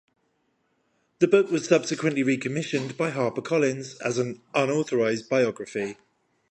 The book was subsequently recommissioned by HarperCollins as an "unauthorised" biography.